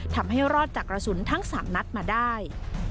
ทำให้รอดจากกระสุนทั้ง๓นัดมาได้